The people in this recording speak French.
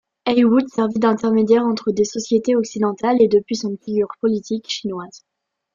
Heywood servit d'intermédiaire entre des sociétés occidentales et de puissantes figures politiques chinoises.